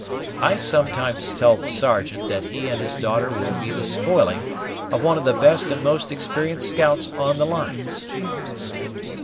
I sometimes tell the Sergeant that he and his daughter will be the spoiling of one of the best and most experienced scouts on the lines."